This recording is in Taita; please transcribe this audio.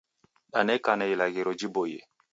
Danekana ilaghiro jiboie.